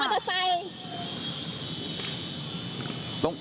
คุณเข็มมาสอนค่ะ